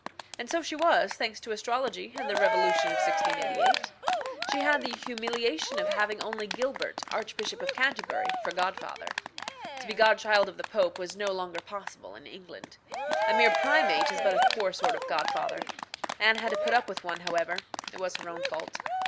And so she was, thanks to astrology and the revolution of 1688. She had the humiliation of having only Gilbert, Archbishop of Canterbury, for godfather. To be godchild of the Pope was no longer possible in England. A mere primate is but a poor sort of godfather. Anne had to put up with one, however. It was her own fault.